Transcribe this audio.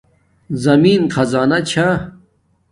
زمین خزانہ چھا